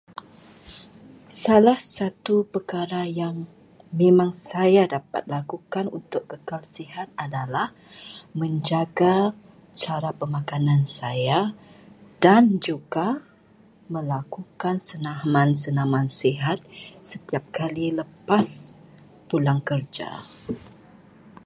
Salah satu perkara yang memang saya dapat lakukan untuk kekal sihat adalah menjaga cara pemakanan saya dan juga melakukan senaman-senaman sihat setiap kali lepas pulang kerja.